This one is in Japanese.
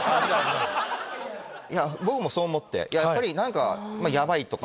僕もそう思ってやっぱり何かヤバいとか。